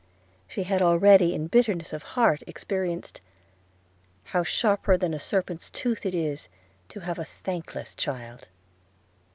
She had already in bitterness of heart experienced – 'How sharper than a serpent's tooth it is To have a thankless child.'